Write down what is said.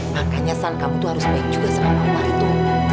makanya san kamu tuh harus baik juga sama umar itu